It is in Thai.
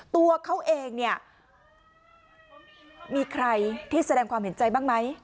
ตัวเขาเองเนี่ยมีใครที่แสดงความเห็นใจบ้างไหม